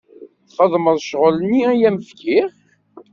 Txedmeḍ ccɣel-nni i am-fkiɣ?